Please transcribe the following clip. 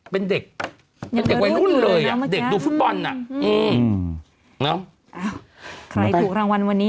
ยังเกินรูปอยู่เลยนะเมื่อกี้อืมอืมน้องใครถูกรางวัลวันนี้